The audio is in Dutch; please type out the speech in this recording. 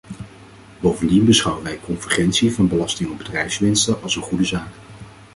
Bovendien beschouwen wij convergentie van belasting op bedrijfswinsten als een goede zaak.